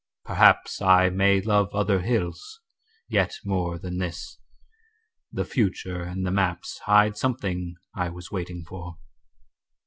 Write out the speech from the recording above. Perhaps I may love other hills yet more Than this: the future and the maps Hide something I was waiting for.